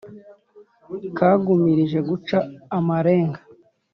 Kagumirije guca amarenga,